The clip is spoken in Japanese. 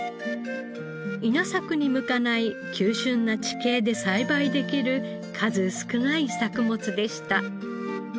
稲作に向かない急峻な地形で栽培できる数少ない作物でした。